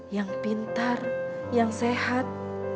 yang pintar yang sehat